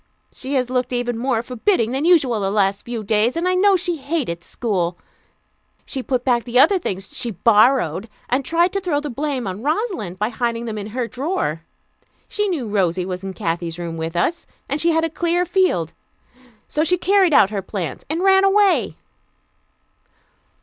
She has looked even more forbidding than usual the last few days, and I know she hated school. She put back the other things she 'borrowed,' and tried to throw the blame on Rosalind by hiding them in her drawer. She knew Rosy was in Kathy's room with us, and she had a clear field. So she carried out her plans, and ran away."